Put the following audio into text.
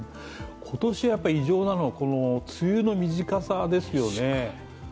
今年は異常なのが梅雨の短さですよね。